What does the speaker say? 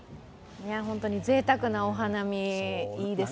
本当にぜいたくなお花見、いいですね。